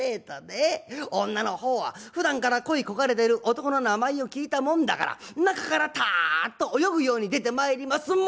女の方はふだんから恋い焦がれてる男の名前を聞いたもんだから中からタッと泳ぐように出てまいります。